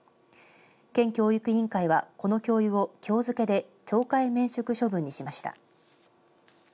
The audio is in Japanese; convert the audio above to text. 県教育委員会はこの教諭をきょう付けで懲戒免職処分にしました。